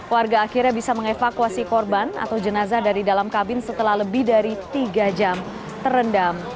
warga akhirnya bisa mengevakuasi korban atau jenazah dari dalam kabin setelah lebih dari tiga jam terendam